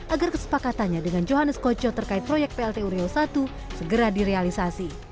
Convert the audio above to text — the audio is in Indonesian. agar kesepakatannya dengan johannes koco terkait proyek plt uriau i segera direalisasi